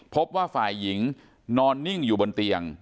พบว่าฝ่ายหญิงนอนนิ่งอยู่บนเตียง